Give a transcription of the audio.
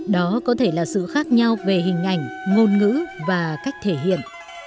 đó có thể là sự khác nhau về hình ảnh ngôn ngữ và cách thể hiện